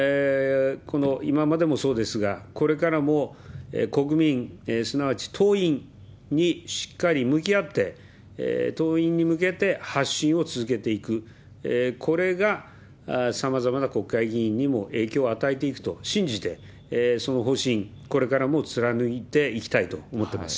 今までもそうですが、これからも国民、すなわち党員にしっかり向き合って、党員に向けて発信を続けていく、これがさまざまな国会議員にも影響を与えていくと信じて、その方針、これからも貫いていきたいと思ってます。